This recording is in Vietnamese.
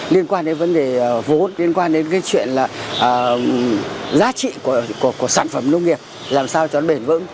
liên quan đến vấn đề vốn liên quan đến cái chuyện là giá trị của sản phẩm nông nghiệp làm sao cho nó bền vững